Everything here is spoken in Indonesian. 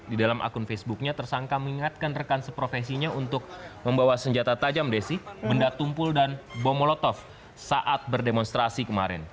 di dalam akun facebooknya tersangka mengingatkan rekan seprofesinya untuk membawa senjata tajam desi benda tumpul dan bom molotov saat berdemonstrasi kemarin